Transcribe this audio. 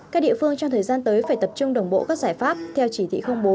các địa phương trong thời gian tới phải tập trung đồng bộ các giải pháp theo chỉ thị bốn